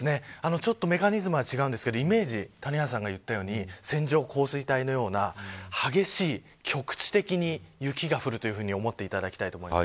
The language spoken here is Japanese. ちょっとメカニズムは違うんですが谷原さんが言ったように線状降水帯のような激しい、局地的に雪が降るというふうに思っていただきたいと思います。